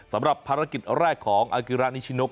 สำหรับภารกิจแรกของอากิระนิชินก